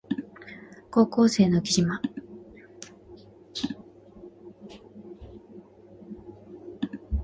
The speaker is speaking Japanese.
高校生の浮島